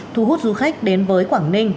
thu hút du khách đến với quảng ninh